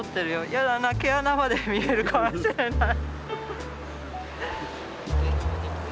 やだな毛穴まで見えるかもしれない。